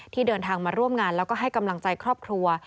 เดินทางมาร่วมงานแล้วก็ให้กำลังใจครอบครัว